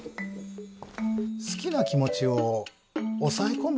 好きな気持ちを抑え込む